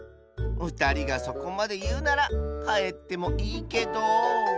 ふたりがそこまでいうならかえってもいいけど。